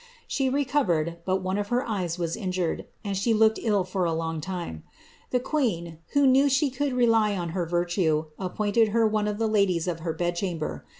She recovered, )f her eyes was injured, and she looked ill for a long time, to, who knew she could rely on her virtue, appointed her one dies of her bed chamber.